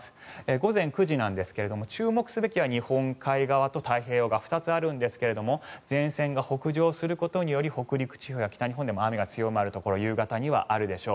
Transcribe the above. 午前９時なんですが注目すべきは日本海側と太平洋側２つあるんですが前線が北上することにより北陸地方や北日本でも雨が強まるところ夕方にはあるでしょう。